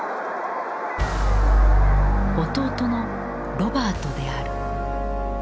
弟のロバートである。